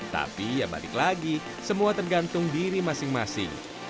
tapi ya balik lagi semua tergantung diri masing masing